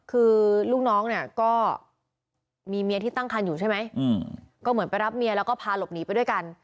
คือลูกน้องเนี่ยก็มีเมียที่ตั้งคันอยู่ใช่ไหมก็เหมือนไปรับเมียแล้วก็พาหลบหนีไปด้วยกัน